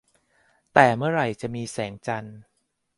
แต่เมื่อไหร่จะมีแสงจันทร์